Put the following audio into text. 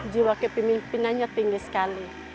jiwa kepemimpinannya tinggi sekali